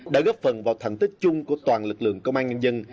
đã góp phần vào thành tích chung của toàn lực lượng công an nhân dân